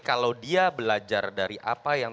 kalau dia belajar dari apa yang